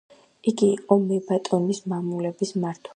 იგი იყო მებატონის მამულების მმართველი, პროვინციის, ქალაქის, სოფლის გამგე.